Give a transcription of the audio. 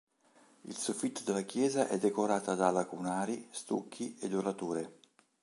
Il soffitto della chiesa è decorato da lacunari, stucchi e dorature.